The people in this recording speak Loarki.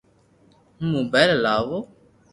ھون موبائل ھلاو